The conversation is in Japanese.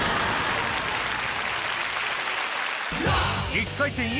１回戦Ｅ